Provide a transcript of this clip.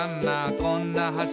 こんな橋」